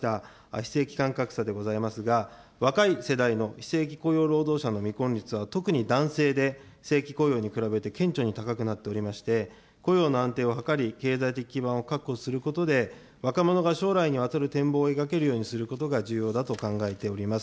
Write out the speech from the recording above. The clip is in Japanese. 非正規間格差でございますが、若い世代の非正規雇用労働者の未婚率は特に男性で正規雇用に比べて顕著に高くなっておりまして、雇用の安定を図り、経済的基盤を確保することで、若者が将来にわたる展望を描けることが重要だと考えております。